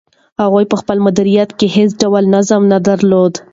هغوی په خپل مدیریت کې هیڅ ډول نظم نه درلود.